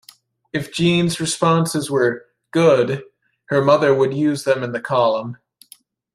If Jeanne's responses were "good", her mother would use them in the column.